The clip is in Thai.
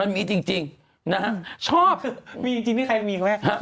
มีจริงใครมีครับแม่